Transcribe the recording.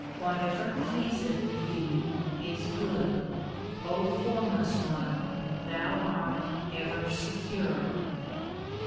Whatever pleaseth Thee is good. Thou, Formless One, art ever secure.